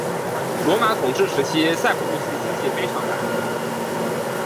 罗马统治时期塞浦路斯经济十分繁荣。